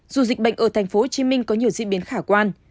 dù dịch bệnh ở tp hcm có nhiều diễn biến khả quan